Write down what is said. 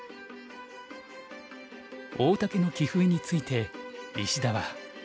大竹の棋風について石田は。